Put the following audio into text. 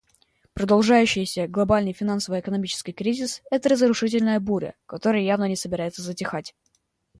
Продолжающийся глобальный финансово-экономический кризис — это разрушительная буря, которая явно не собирается затихать.